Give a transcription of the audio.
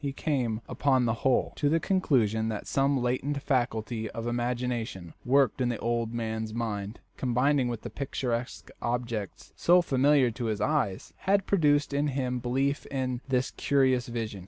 He came, upon the whole, to the conclusion that some latent faculty of imagination, working in the old man's mind, combining with the picturesque objects so familiar to his eyes, had produced in him belief in this curious vision.